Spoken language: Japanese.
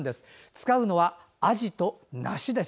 使うのはあじと梨です。